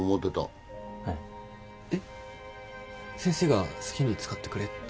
先生が好きに使ってくれって。